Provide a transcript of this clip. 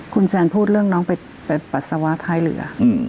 คุณแซนพูดเรื่องน้องไปปัสสาวะท้ายเรือ